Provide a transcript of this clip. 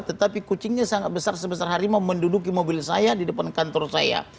tetapi kucingnya sangat besar sebesar harimau menduduki mobil saya di depan kantor saya